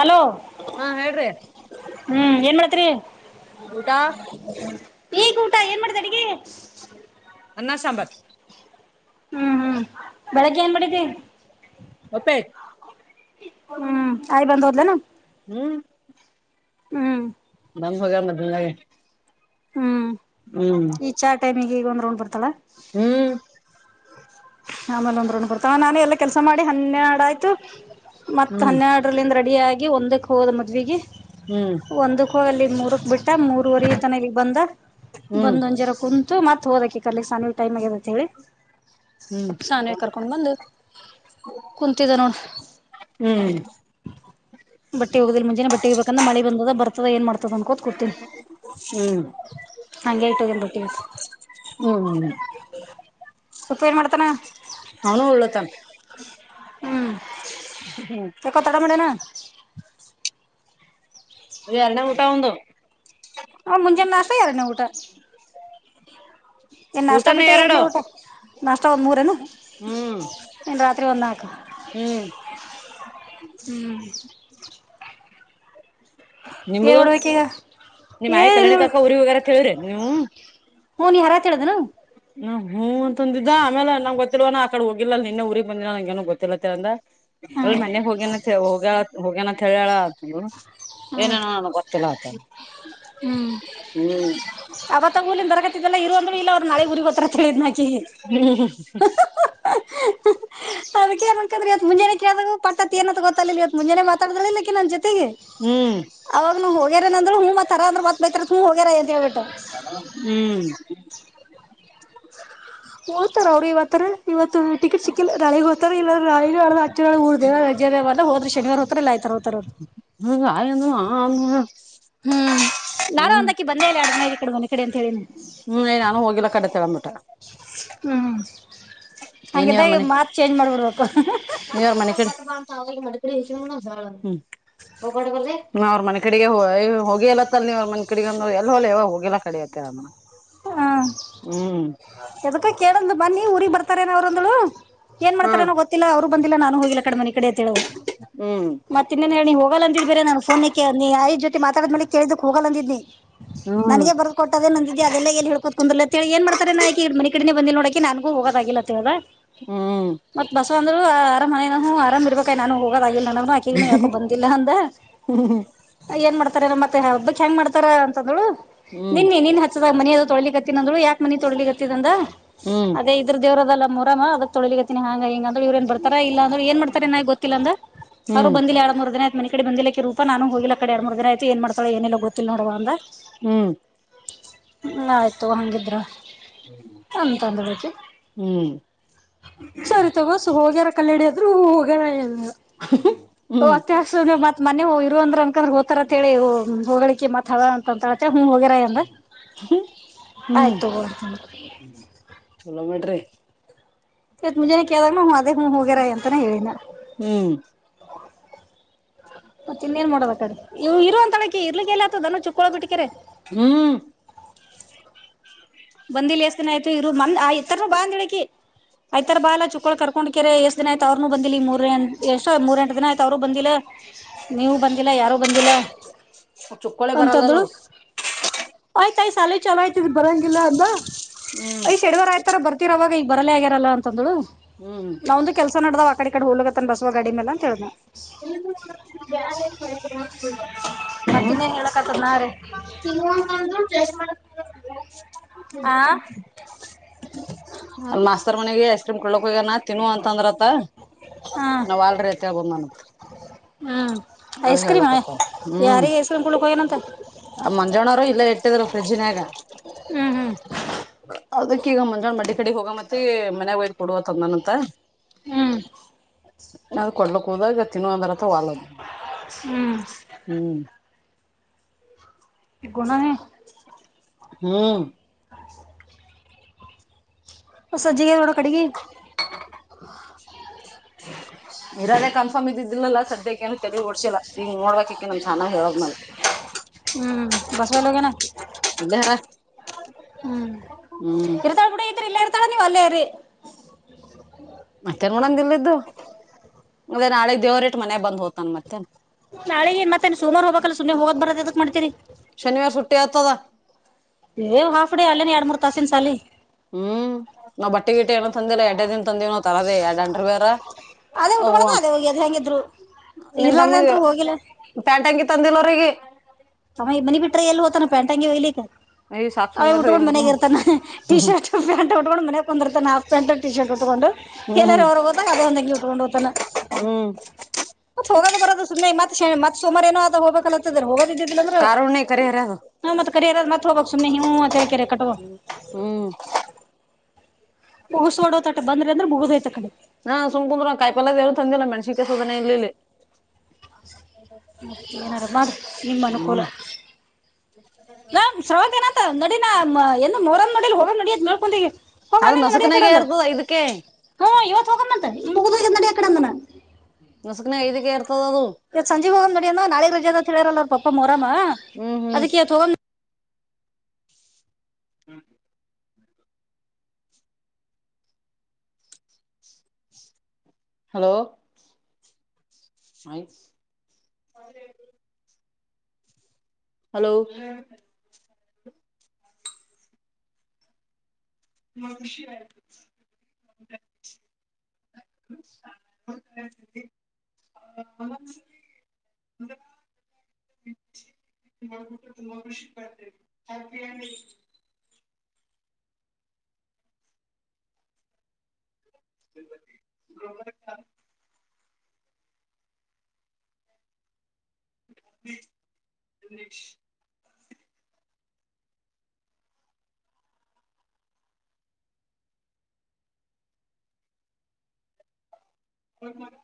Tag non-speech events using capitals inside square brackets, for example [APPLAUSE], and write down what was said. Hello ಹಾ ಹೇಳ್ರಿ ಹ್ಮ್ ಏನ್ ಮಾಡತ್ರಿ ಊಟಾ ಈಗ ಊಟ ಏನ್ ಮಾಡ್ದ ನಗೆ ಅನ್ನ ಸಾಂಬಾರ್ ಹ್ಮ್ ಹ್ಮ್ ಬೆಳಿಗ್ಗೆ ಏನ್ ಮಾಡಡಿದ ಒಪೆ [INAUDIBLE] ಹ್ಮ್ ಆಯ್ ಬಂದ್ ಹೋದ್ಲನ ಹ್ಮ್ [INAUDIBLE] ಹ್ಮ್ ನನ್ ಹಗ ಮದೆ [INAUDIBLE] ಹ್ಮ್ ಈ ಚಾ ಟೈಮಿಗೆ ಈಗ ಒಂದ್ಗೊಂಡ್ ಬರ್ತಲ್ಲಾ ಹ್ಮ್ ಆಮೇಲೆ ಒಂದ ರೌಂಡ್ ಬರ್ತವ ನಾನೇ ಎಲ್ಲ ಕೆಲ್ಸ ಮಾಡಿ ಹನ್ನೆರಡು ಆಯ್ತು ಮತ್ತ ಹ್ಮ್ ಹನ್ನೆರಡರಲ್ಲಿಂದ ರೆಡಿಯಾಗಿ ಒಂದಕ್ಕೆ ಹೋದಗಿ ಮದ್ವೆಗಿ ಹ್ಮ್. ಹೋ ಅಲ್ಲಿಗ್ ಮೂರಕ್ ಬಿಟ್ಟ ಮೂರವರೆ ತನ ಇಲ್ಲಿಗ್ ಬಂದ ಹ್ಮ್ ಬಂದ [UNINTELLIGIBLE] ಕುಂ ಮತ್ ಹೋದಕ ಕರ್ಲಿ ಸಾನಿ ಟೈಮ್ ಅಗೆದಾಂತ್ ಹೇಳಿ ಹ್ಮ್ ಸಾನ್ವಿ ಕರ್ಕೊಂಡ್ ಬಂದು. ಕುಂತಿದ್ದ ನೋಡ ಹ್ಮ್ ಹ್ಮ್ ಬಟ್ಟಿ ಮುಂಜೆ ಬಟ್ಟಿಗೆ ಬೇಕಂದ ಮಳೆ ಬಂದ ಬರ್ತದೆ ಏನ್ ಮಾಡತಾರೆ ತಗೊಂಡ್ ಕೋತ್ಕಡ್ತೀನಿ ಹ್ಮ್ ಹಂಗೆ ಟ್ಟೋಗಲ್ ಬಟ್ಟಿ ಹ್ಮ್ [INAUDIBLE] ಸಪ್ಪ ಏನ್ ಮಾಡ್ತಾನ ಅವನು ಒಳ್ಳ ತಾನ ಹ್ಮ್ ಚಕ್ಕ ತಟಾಮಡೆನಾ ಅ ಎರನೇ ಊಟಾವಂದ ಹ ಮುಂಜೆ ನಾ ನಾಷ್ಟಾ ಎರಡನೇ ಊಟ ಏ ನಾಷ್ಟ ಊಟನೇ ಬಿಟ್ಟೆ ಎರಡು ಎರನೇ ಊಟ ನಾಷ್ಟ ಒಂದ್ ಮೂರೇನು. ಹ್ಮ್ ಎನ್ ರಾತ್ರಿ ಒಂದ್ನನ್ಕಾ ಹ್ಮ್ ಹ್ಮ. ನಿಮ್ದ ಏನ್ ಮಾಡ್ಬೇಕೀಗ ನಿಮ್ಮ ಏನಿಲ್ಲ ನೋಡು ಆಯಿಕಲ್ಯಾಣಿಕಾಕ ಉರಿಗೋಗ್ಯಾರ್ ಅಂತ ಹೇಳಿರ್ ಏನ್ ನೀವು. ಹೊ ನಿವ್ ಹರಾ ಹೇಳ್ದನು. ಹ್ಮ್ ಹೂ ಅಂತಂದಿದ್ದ ಆಮೇಲೆ ನಂಗ್ ಗೊತ್ತಲ್ವ ನ ಆಕಡೆ ಹೋಗಿಲ್ಲ ನಿನ್ನೇ ಊರಿಗ್ ಬಂದಿಲ್ಲ ನಂಗೇನು ಗೊತ್ತಿಲ್ಲತೆ ಅಂದ. ಅವ್ಳು ಹ್ಮ್ ಮನೆಗ್ ಹೋಗೇನಂತೆ ಹೋಗ್ಯಾಳ ಹೋಗ್ಯಾನಂತ್ ಹೇಳ್ಯಾಳ ಏನೇನವ ನಾನೀಗ್ ಗೊತ್ತಿಲ್ಲ ಆತ ಹ್ಮ್ ಹ್ಮ್ ಅವತಂಗೂಲಿನ್ ಬರಕತ್ತಿದ್ವಲ್ಲ ಏನ್ ಇರು ಅಂದ್ರು ಇಲ್ಲ ಅವ್ರು ನಾಳೆ ಊರಿಗೋಗ್ತಾನ ಅಂತ ಹೇಳಿದ್ನಕಿ. ಅದಕ್ಕೆನಂಕಂಡ್ರೇನ್ ಮುಂಜನೆಕೇಳ್ದಗೂ [UNINTELLIGIBLE] ಏನಂತ ಗೊತಾಗ್ಲಿಲ್ ಇವತ್ ಮುಜೆನೆ ಮಾತಾಡಿದ್ರಲ ಇಕಿ ನನ್ ತೀ ಹ್ಮ್ ಅವಾಗನು ಹೋಗ್ಯಾರೆನಂದಳು ಹೂ ತರ ಅಂದ್ರ ಮತ್ ಬೈತಾರಂತ್ ಹೂ ಹೋಗ್ಯಾರ ಅಂತ ಹೇಳ್ಬಿಟ್ಟು. ಹೂ [UNINTELLIGIBLE] ಅವರು ಇವತ್ತರೆ ಇವತ್ ತು ಟಿಕೆಟ್ ಸಿಕ್ಕಿಲ್ಲ ನಾಳಿಗ್ ಹೋತಾರೆ ಇಲ್ಲ ನಾಳೆ ನಡ್ದ ಆಚೆನಡ್ದ ರಾಜೇದವಲ ಓದ್ರೆ ಶನಿವಾರ ಹೋತರ್ ಇಲ್ಲ ನಾಳಿತಾರ್ ಹತಾರ್. [UNINTELLIGIBLE] ಹ್ಮ್ ಯಾರ ಹ್ಮ್ ಒಂದಕಿ ಬಂದೆಯಿಲ್ ಎಲ್ಡ್ ದಿನ ಇಕಡೆ ಮನೆ ಕಡೆ ಅಂತ ಹೇಳಿನಿ. ಕಡ ತಗಂಬೂಟಾ. ಹ್ಮ್. ಏ ನೀವ್ರ ಹಂಗಿದ್ದಾಗ ಮನೆ ಇವ್ರ್ ಮಾತ್ ಚೇಂಜ್ ಮಾಡ್ಬಿಡ್ಬೇಕು. [UNINTELLIGIBLE] ಹೂ ಅವ್ರ ಮನೆ ಕಾಡಿಗೆ ಹೊ ಹೋಗಿಯಾಲಾತ್ಲ್ ನೀವು ಅವ್ರ ಮನಿ ಕಡಿಗೆ ಎಲ್ಲೋಗ್ಲಿ ಹೇಳವಾ ಹೋಗಿಲ್ಲ ಅಕಾಡಿ ತ್ [UNINTELLIGIBLE] ಮ. ಹಾ ಎದಕ್ಕ ಕೇಳಂದ್ಲು ಬಂದ್ನಿ ಊರಿಗ್ ಬರ್ತಾರೇನ ಅವ್ರು ಅಂದುಳು. ಏನ್ ಹಾ ಮಾಡ್ತಾರೆನೋ ಗೊತ್ತಿಲ್ಲ ಅವ್ರು ಬಂದಿಲ್ಲ ನಾನು ಹೋಗಿಲ್ಲ ಅಕಾಡಿ ಮನೆ ಕಡೆ ಅಂತ್ ಹೇಳನು. ಹ್ಮ್ ಮತ್ತೆನ್ನೇನ್ ಹೇಳಿ ಹೋಗಲ್ಲ ಅಂದಿದ್ ಬೇರೆ ನಾನು ಫೋನೇಗ್ ಆಯ್ ಜೊತೆ ಮಾತಾಡ ಮೇಲಿ ಕೇಳಿದುಕ್ ಹೋಗಲ್ ಅಂದಿದ್ನಿ. ಹ್ಮ್ ನನಿಗೆ ಬರ್ದು ಕೊಟ್ಟದೇ ಅಂದಿದಾಲ್. ಹೇ ಕೂತ್ ಕುಂದೂರ್ಲ್ ಅಂತ್ ಹೇಳಿ ಏನ್ ಮಾಡ್ತರೇನ ಅಕಿ ಈ ಮನೆ ಕಡನೆ ಬಂದಿಲ್ ನೋಡಕಿ ನಂಗು ಹೋಗೋಕಾಗಿಲ್ ಅಂತ್ ಹೇಳ್ದ. ಹ್ಮ್ ಮತ್ ಬಸ್ ಬಂದ್ರು ಅರಾಮ್ ಮನೆ ಆರಾಮ್ ಇರ್ಬೇಕಾಗ ನಾನು ಹೋಗ [UNINTELLIGIBLE] ಆಕಿ ಇನ್ನು ಯಾಕೋ ಬಂದಿಲ್ಲ ಅಂದ ಹ್ಮ್ ಏನ್ ಮಾಡ್ತ ಮತ್ತೆ ಹಬ್ಬಕ್ ಹೆಂಗ್ ಮಾಡ್ತಾರ ಅಂತಂದ್ಳು ಹ್ಮ್ ನಿನ್ನಿ ನಿನ್ ಮನಿ ಅದು ತೊಳಲಿಕ್ಕೆತ್ತಿನ್ ಅಂದ್ಳು ಯಾಕ್ ಮನಿ ತೊಳಿಲಿಕತಿದ್ ಅಂದೇ ಹ್ಮ್ ಅದೇ ಇದ್ರು ದೇವ್ರದಲ್ಲ. [UNINTELLIGIBLE] ಅದ ತೊಳಿಗತಿನಿ ಹಂಗ ಹಿಂ ಅಂದ್ರೆ ಇವ್ರಏನ್ ಬರ್ತಾರಾ ಇಲ್ಲ ಅಂದ್ರ ಏನ್ ಮಾಡ್ತರೇನ ಗೊತ್ತಿಲ್ಲ ಅಂದ ಅವರು ಹ್ಮ್ ಬಂದಿಲ್ಲ ಎರಡು ಮೂರು ದಿನ ಆಯ್ತ್ ಮನಿ ಕಡೆ ಬಂದಿಲ್ಲಕಿ ರೂಪ ನಾನು ಹೋಗಿಲ್ಲಕಡೆ ಎಡು ಮೂರು ದಿನ ಆಯ್ತು ಏನ್ ಮಾಡತಾಳ ಏನ ಗೊತ್ತಿಲ್ ನೋಡಾವ ಅಂದ. ಹ್ಮ್. ಹ್ಮ ಆಯ್ತು ಹಂಗಿದ್ರ. ಅಂತ ಅಂದಳಾಕಿ ಹ್ಮ್ ಸರಿ ತಗೋ. [UNINTELLIGIBLE] ಕಲ್ಲಡದ್ರು ಹೋಗೋಣ ಹ್ಮ್ ಹೊತ್ತೆ ಹಾಕ್ಸ್ರ ಮತ್ ಮ ಇಂದ್ರ ಹ್ರ ಹ್ತಾರಂತೇಳಿ ಹೋಗಳಿಕ್ಕೆ ಮತ್ ಹೋಗ್ಯಾರ್ ಅಂತ ಹೂ ಹೋಗ್ಯರ ಅಂದ ಹ್ಮ್ ಆಯ್ತು ತಗೋ ಅಂತಂದ್ರ ಚಲೋ ಮಾಡ್ರಿ ಇತ್ ಮುಂಜಾನ ಕೇಳದಾಗ ಅದೇ ಹ ಹೋಗ್ಯರ ಅಂತಾನ ಹೇಳಿದ ಹ್ಮ್ ಮತ್ ಇನ್ನೇನ್ ಮಾಡೋದತಗೇ ಇವ್ಳು ಇರು ಅಂತಳಾಕಿ ಇರ್ಲಿಕ್ಕೆ ಎಲ್ಲತದ ಚುಕ್ಕಳ ಬಿಟ್ಟಕಾರೆ. ಹ್ಮ್. ಬಂದಿಲ್ ಎಸ್ ದಿನ ಆಯ್ತು ಇರು ಮನ್ ಆ ಇತರ್ ಬಂದಿಲಕಿ. ಆಯ್ತಾರ ಬಾ ಚಿಕ್ಕೋಳ್ ಕರ್ಕೋಡೋಕೆರೆ ಎಷ್ಟ ದಿನ ಆಯ್ತು ಅವರುನು ಬಂದಿಲ್ಲ ಮೂರ ಎಷ್ಟೋ ಮೂರ ಎಂಟ ದಿನ ಆಯ್ತ ಅವ್ರು ಬಂದಿಲ್ಲ. ನೀವು ಬಂದಿಲ್ಲ ಯಾರು ಬಂದಿಲ್ಲ. ಹ ಚುಕೊಳೇ ಬರಲ್ಲಲೋ. ಆಯ್ತಾಯ್ ಶಾಲಿ ಚಲೋ ಆಯ್ತಿದ್ ಬರೊಂಗಿಲ್ಲ ಅಂದ ಹ್ಮ್ ಯ್ ಶನಿವಾರ ಆಯ್ತರ ಬರ್ತ್ ಅವಾಗ ಈಗ ಬರಲೇ ಆಗ್ಯರಲ್ಲ ಅಂತಂದಳು ಹ್ಮ್ ನಮ್ದು ಕೆಲಸ ನಡ್ದಾವ್ ಅಕಾಡಿಕಾಡಿ ಹೋಗತ್ತನ್ ಬಸವ ಗಡಿ ಮೇಲ್ಲ. [UNINTELLIGIBLE] ಮತ್ತಿನ್ನೇನ್ ಹೇಳಕತ್ತದ್ ನಾ ರೀ ತಿಗುವಂತಂದರು [UNINTELLIGIBLE] ಮಾಡ. [UNINTELLIGIBLE] ಆ ಅ ಮಾಸ್ತರ್ ಮನೆಗ ಐಸ್ ಕ್ರೀಮ್ ಕೊಡ್ಲಕ್ ಹೋಗ್ಯಾನ್ ತಿನ್ವ ಅಂತಂದ್ರತ್ತ ಹಾ ನಾವ್ ಅಲ್ರಿ ಆಗನ ಹ್ಮ್ ಅದು ಐಸ್ ಕ್ರೀಮ್ ಹೇಳಕತ್ತನ್ ಹ್ಮ್ ಯಾರಿಗೆ ಐಸ್ ಕ್ರೀಮ್ ಕುಡ್ಲಕ್ ಹೋಗ್ಯನಂತ ಆ ಮಂಜಣ್ಣರ ಇಲ್ಲ ಇಟ್ಟಿದ್ರು ಪ್ರೈಡ್ಜ್ನ್ಯಾಗ ಹ್ಮ್ ಅದಕ್ಕೀಗ ಮುಂಜಾನೆ ಮಡಿ ಕಡೆ ಹೋಗ ಮತ್ತೆ ಮನೆ ಒಯ ಕೊಡುವ ತಂದನಂತ ಹ್ಮ್ ಏನಾರ್ ಕೊಡ್ಲಕ್ ಹೋದಾಗ ತಿನ್ನವ ಅಂದ್ರತ್ರ ವಲ್ದ ಹ್ಮ್ ಗುಣಾ ಹ್ಮ್ ಸಜಿಗೆ ನೋಡ ಕಡಿಗಿ [INAUDIBLE] ಇರದೇ ಕನ್ಫರ್ಮ್ ಇದ್ದಿದ್ದಿಲ್ಲಲ್ಲಾ ಸದ್ಯಕ್ಕ ಏನು ತಲೆ ಓಡ್ ಇಲ್ಲ ನಿಂಗ್ ನೋಡ್ಬೇಕ ಅಕಿ ನಮ್ ಸಣ್ಣವ ಹೇಳದ್ಮೇಲೆ ಬಸವಲ್ಲ ಹೋಗ್ಯಾನ್ ಇಲ್ಲೇ ಹ್ಮ್ ಹ್ಮ್ ಇರ್ತಾಳ ಬಿಡು ಈ್ರ ಇಲ್ಲ ಇರ್ತಾಳ ನೀವ್ ಅಲ್ಲೇರಿ ಮತ್ತೆ ನೋಡಂಗಲ್ಿದ್ದು ಮದೆ ನಾಳೆ ದೇವ್ರ ಇಟ್ಟ ಮನೆ ಬಂದ್ ಹೋ್ತನ್ ಮತ್ತೆ ನಾಳಗ ಮತ್ತೆ ಸೋಮಾರ ಹೋಗಕಲ್ಲ ಸುಮ್ಮನೆ ಹೋಗದ ಬರದ ಏನ್ ಮಾಡ್ತೀರಿ ಶನಿವಾರ ಸುಟಿ ಆತದ ಏ ಹಾಫ್ ಡೇ ಅಲ್ಲೇನೆ ಎರಡ್ ಮೂರ್ ತಾಸಿನ ಸಾಲಿ ಹ್ಮ್ ನಾವ ಬಟ್ಟೆ ಗೀಟ ಏನ ತಂದಿಲ್ಲ ತಂದೆನೋ ತರದೇ ಎಡ ಅಂಡರ್ ವೇರ್ ಅದೇ ಉಟ್ಕೊಳದ ಅದೇ ಒಗ್ಯೋದು ಹೆಂಗಿದ್ರು ನಿಮ್ ಇರ್ಲಾರ್ದೆ ತಮ್ಮಗೆ ಅಂತ್ರು ಹೋಗಿಲ್ಲ ಪ್ಯಾಂಟ್ ಅಂಗಿ ತಂದಿಲ್ಲ ಅವ್ರಿಗಿ ಟ್ರೆ ಎಲ್ಲಿ ಹೋತಾನ ಪ್ಯಾಂಟಂಗಿ ಒಯ್ಲಿಕ್ಕ ಸಾಕ್ ಅಯ್ ಸುಮ್ನಿರಿ ಉಟ್ಕೊಂಡ್ ಇವ್ರುನು ಮನ್ಯಾಗಿರ್ತಾನೆ ಟಿ ಹ್ಮ್ ಶರ್ಟ್ ಪ್ಯಾಂಟ್ ಉಟ್ಕೊಂಡ್ ಮನ್ಯಾಗ್ ಕುಂದುರ್ತಾನ ಹಾಫ್ ಪ್ಯಾಂಟ್ ಟೀ ಶರ್ಟ್ ಉಟ್ಕೊಂಡ್ ಎಲ್ಲರ ಹ್ಮ್ ಹೊರ್ಗ್ ಹೋದಾಗ ಅದೇ ಒಂದಂಗಿ ಉಟ್ಕೊಂಡ್ ಹೋಗ್ತಾನ ಹ್ಮ್ ಮತ್ ಹೋಗದು ಬರದು ಸುಮ್ನೆ ಮತ್ ಶನಿ ಮತ್ ಸೋಮಾರ ಏನೋ ಅತಗ್ ಹೋಗ್ಬೇಕ ಅಂತಿದ್ ಹೋಗದ ಇದ್ದಿದಿಲ್ಲ ಅಂದ್ರ ಕಾರುಣ್ಯ ಕರಿ ಇ ಹರ್ಯ ಅದು ನಾ ಮತ್ ಕರಿಯಾರ್ ಮತ್ತ್ ಹೋಗ್ಬೇಕ್ ಸುಮ್ನೆ ಹಂತಳ್ಕರೆ ಕಟ್ಟುವ ಹ್ಮ್ ಮುಗುಸಕೊಂಡ ಒತಟಿ ಬಂದ್ರಿ ಅಂದ್ರ್ ಮುಗುದ್ ಹೋಯ್ತ್ ಆಕಡೆ ಹಾ ಸುಮ್ಕುಂದ್ರು ಕಾಯಿ ಪಲ್ಲ ಎನು ತಂದಿಲ್ಲ ಮೆಣ್ಸಿಕಾಯ್ ಸುದನೆ ಇಲ್ಲ ಇಲ್ಲಿ ಮ ಏನಾರು ಮಾಡು ನಿಮ್ಮನುಕೂಲ ಹ್ಮ್ ನಾ ಶ್ರವಂತೇನಂತ ನಡಿನ ಮ ಎಂದು ಮೊಹರಂ ನೋಡಿಲ್ ಹೋಗಮ್ ನಡಿ ಅದ್ ಮೇಲ್ಕಂದ್ರಿಗೆ ಅದ ನಸುಕನಾಗೆ ಇರ್ತದ ಐದಕೆ ಹು ಇವತ್ ಹೋಗಮಂತೆ ಮುಗದೋಗ್ಯಾದ ನಡಿ ಆಕಡೆ ಅಂದನ ನಸಕ್ನ ಐದಗೆರ್ತ ಇವತ್ ಸಂಜಿಗ್ ಹೋಗಮ್ ನಡಿಯನ ನಾಳೆ ರಜೆ ಅದ ಅಂತೇಳ್ಯಾರಲ್ಲಾ ಅವ್ರ್ ಪಪ್ಪ ಮೋರಾಮ ಹ್ಮ್ ಹ್ಮ್ ಅದಕ್ಕೆ ತ್ ಹೋಗಮ್ [UNINTELLIGIBLE] ಹ್ಮ ಹಲೋ ಆಯ್ತ್ ಸ್ [INAUDIBLE] ಹಲೋ ಬ ಖುಷಿಯಾಯ್ತು ಥ್ಯಾಂಕ್ಸ್ [UNINTELLIGIBLE] ಮುಂದ [UNINTELLIGIBLE] [UNINTELLIGIBLE] [UNINTELLIGIBLE] [INAUDIBLE] ಫೋನ್ ಮಾಡು